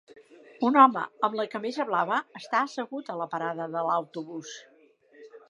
Un home amb camisa blava està assegut a la parada de l'autobús.